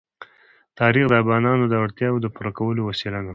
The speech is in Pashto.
تاریخ د افغانانو د اړتیاوو د پوره کولو وسیله ده.